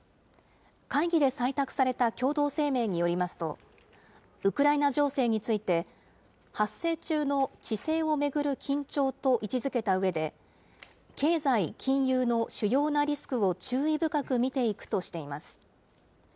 会議で採択された共同声明によりますと、ウクライナ情勢について、発生中の地政を巡る緊張と位置づけたうえで、経済・金融の主要なリスクを注意深く見ていくとしています。